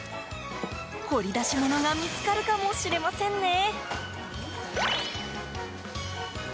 掘り出し物が見つかるかもしれませんね。